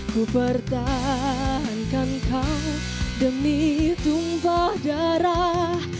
ku pertahankan kau demi tumpah darah